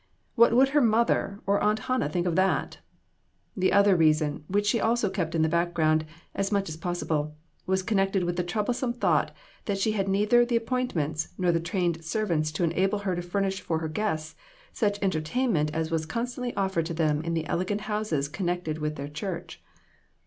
What would her mother or Aunt Hannah think of that ? The other rea son, which she also kept in the back ground as much as possible, was connected with the trouble some thought that she had neither the appoint ments nor the trained servants to enable her to furnish for guests such entertainment as was con stantly offered to them in the elegant homes con nected with their church.